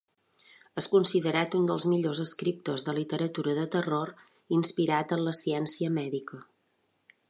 És considerat un dels millors escriptors de literatura de terror inspirat en la ciència mèdica.